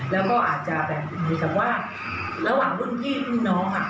แล้วก็อาจจะแบบเหมือนกับว่าระหว่างรุ่นพี่รุ่นน้องอ่ะ